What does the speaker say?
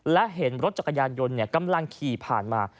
และเห็นรถจักรยานยนต์กำลังขี่ผ่านมา